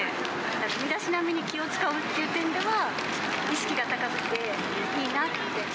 身だしなみに気を遣うという点では、意識が高くていいなって。